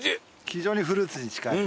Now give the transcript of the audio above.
非常にフルーツに近い。